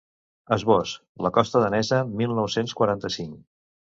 Esbós: La costa danesa, mil nou-cents quaranta-cinc.